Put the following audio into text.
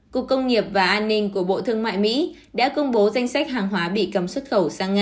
cục công nghiệp và an ninh của bộ thương mại mỹ đã công bố danh sách hàng hóa bị cấm xuất khẩu sang nga